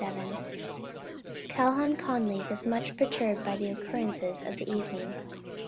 Calhoun Conly was much perturbed by the occurrences of the evening.